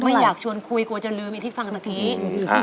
ไม่อยากชวนคุยกลัวจะลืมที่ฟังเมื่อแล้ว